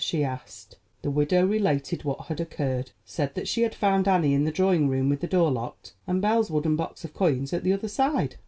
she asked. The widow related what had occurred; said that she had found Annie in the drawing room with the door locked, and Belle's wooden box of coins at the other side.